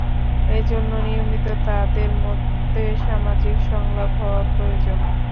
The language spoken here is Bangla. এ জন্য নিয়মিত তাদের মধ্যে সামাজিক সংলাপ হওয়া প্রয়োজন।